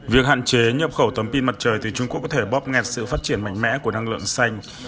việc hạn chế nhập khẩu tấm pin mặt trời từ trung quốc có thể bóp nghẹt sự phát triển mạnh mẽ của năng lượng xanh